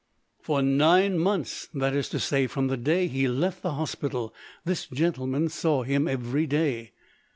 "For nine months—that is to say, from the day he left the hospital— this gentleman saw him every day."